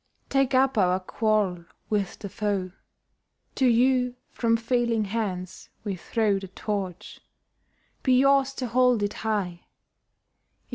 Take up our quarrel with the foe: To you from failing hands we throw The Torch: be yours to hold it high!